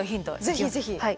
ぜひぜひ。